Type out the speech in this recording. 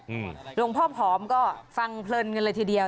หลวงพ่อผอมก็ฟังเพลินกันเลยทีเดียว